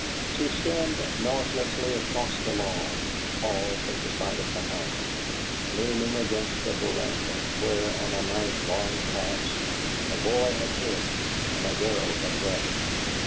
She skimmed noiselessly across the lawn and paused at the side of the house, leaning against the veranda, where, on a night long past, a boy had hid and a girl had wept.